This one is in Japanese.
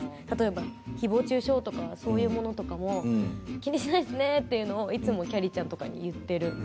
例えば、ひぼう中傷とかそういうものも気にしないですねというのをいつもきゃりーちゃんとかが言っている。